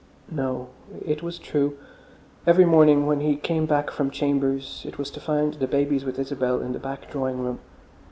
No, it was true. Every morning when he came back from chambers it was to find the babies with Isabel in the back drawing room.